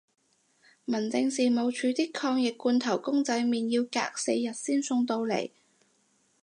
民政事務署啲抗疫罐頭公仔麵要隔四日先送到嚟